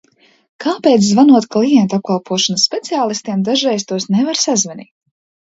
Kāpēc, zvanot klientu apkalpošanas speciālistiem, dažreiz tos nevar sazvanīt?